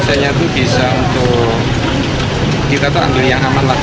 adanya itu bisa untuk kita tuh ambil yang aman lah